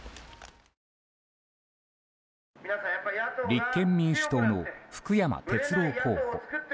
立憲民主党の福山哲郎候補。